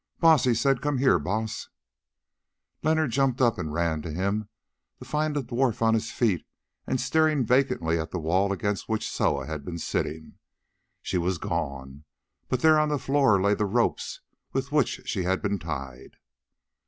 "Baas," he said, "come here, Baas." Leonard jumped up and ran to him, to find the dwarf on his feet and staring vacantly at the wall against which Soa had been sitting. She was gone, but there on the floor lay the ropes with which she had been tied.